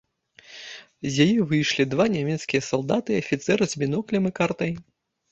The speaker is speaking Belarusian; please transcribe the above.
З яе выйшлі два нямецкія салдаты і афіцэр з біноклем і картай.